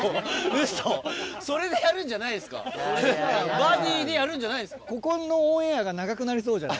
バディーでやるんじゃないんですか？